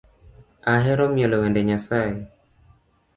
Ahero mielo wende Nyasae